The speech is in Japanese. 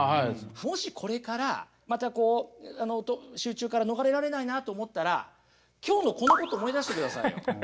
もしこれからまたこう集中から逃れられないなと思ったら今日のこのことを思い出してくださいよ。